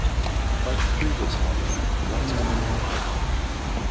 Like the previous album, What Time Is It?